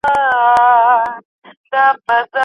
دوی له تاریخ او ملت سره جفا وکړه.